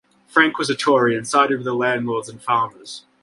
Frank was a Tory and sided with the landlords and farmers.